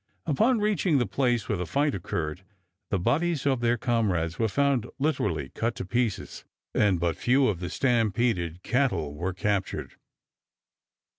Upon reaching the place where the fight occurred, the bodies of their comrades were found literally cut to pieces, and but few of the stampeded cattle were captured.